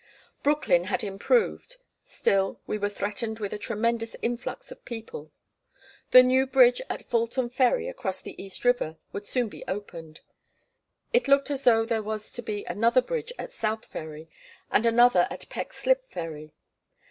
Brooklyn had improved; still, we were threatened with a tremendous influx of people. The new bridge at Fulton Ferry across the East River would soon be opened. It looked as though there was to be another bridge at South Ferry, and another at Peck Slip Ferry.